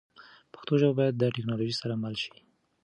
پښتو ژبه باید د ټکنالوژۍ سره مله شي.